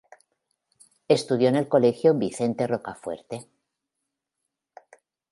Estudió en el Colegio Vicente Rocafuerte.